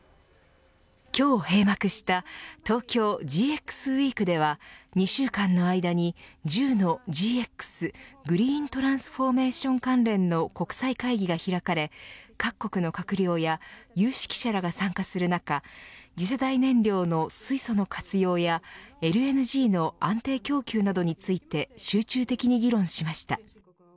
今日閉幕した東京ＧＸウイークでは２週間の間に１０のＧＸグリーントランスフォーメーション関連の国際会議が開かれ各国の閣僚や有識者らが参加する中次世代燃料の水素の活用やＬＮＧの安定供給などについて集中的に議論しました。